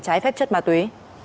trái phép chất ma túy